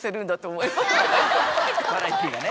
バラエティーがね。